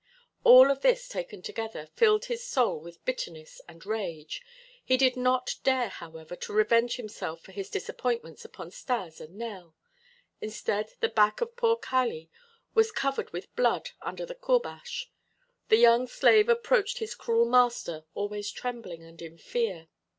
All of this taken together filled his soul with bitterness and rage. He did not dare, however, to revenge himself for his disappointments upon Stas and Nell; instead the back of poor Kali was covered with blood under the courbash. The young slave approached his cruel master always trembling and in fear.